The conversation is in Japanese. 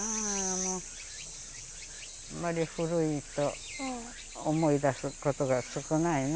もうあんまり古いと思い出すことが少ないな